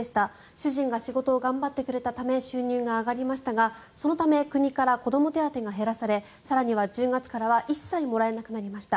主人が仕事を頑張ってくれたため収入が上がりましたがそのため、国から子ども手当が減らされ更には１０月からは一切もらえなくなりました。